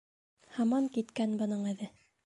Һаман киткән бының эҙе.